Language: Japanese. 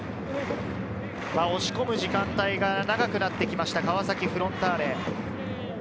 押し込む時間帯が長くなってきました、川崎フロンターレ。